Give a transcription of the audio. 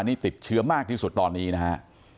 นี่ติดเชื้อมากที่สุดตอนนี้นะฮะ